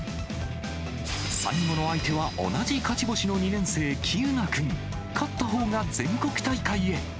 最後の相手は同じ勝ち星の２年生、喜友名君、勝った方が全国大会へ。